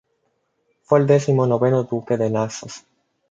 Fue el decimonoveno duque de Naxos.